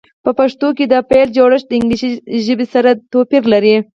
په پښتو کې د فعل جوړښت د انګلیسي ژبې سره توپیر لري.